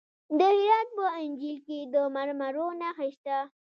د هرات په انجیل کې د مرمرو نښې شته.